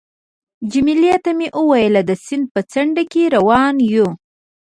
جميله ته مې وویل: د سیند په څنډه کې روان یو.